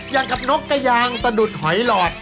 อย่างกับนกกระยางสะดุดหอยหลอด